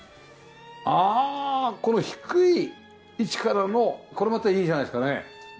ああこの低い位置からのこれまたいいじゃないですかね。